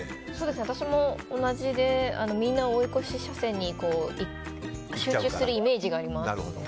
私も同じでみんな追い越し車線に集中するイメージがあります。